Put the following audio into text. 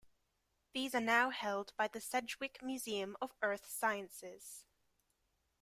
These are now held by the Sedgwick Museum of Earth Sciences.